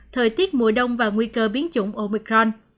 thời tiết mùa đông và nguy cơ biến chủng omicron